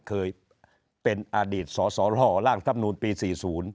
เคยเป็นอดีตศศหล่างรัฐมนุนปี๔๐